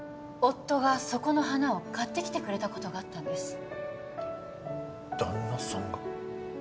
夫がそこの花を買ってきてくれたことがあったんですだ旦那さんが？